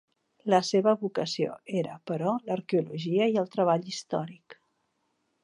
La seva vocació era, però, l'arqueologia i el treball històric.